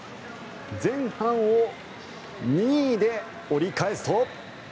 前半を２位で折り返すと。